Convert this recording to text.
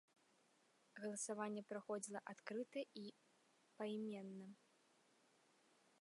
Галасаванне праходзіла адкрыта і пайменна.